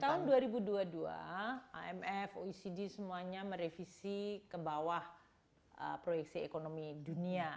tahun dua ribu dua puluh dua imf oecd semuanya merevisi ke bawah proyeksi ekonomi dunia